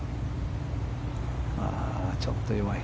ちょっと弱い。